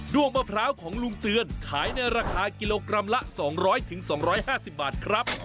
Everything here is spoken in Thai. ้วงมะพร้าวของลุงเตือนขายในราคากิโลกรัมละ๒๐๐๒๕๐บาทครับ